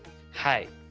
はい。